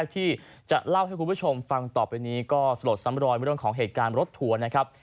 ที่จะเล่าให้คุณผู้ชมฟังต่อไปนี้ก็สลดซ้ำรอยเรื่องของเหตุการณ์รถทัวร์นะครับ